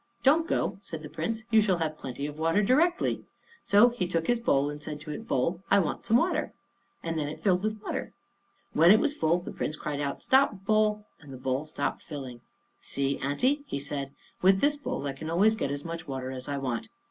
"Don't go," said the Prince. "You shall have plenty of water directly." So he took his bowl and said to it, "Bowl, I want some water," and then it filled with water. When it was full, the Prince cried out, "Stop, bowl!" and the bowl stopped filling. "See, aunty," he said, "with this bowl I can always get as much water as I want."